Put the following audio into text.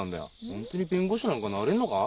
本当に弁護士なんかなれるのか？